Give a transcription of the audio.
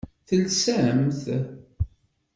Telsamt?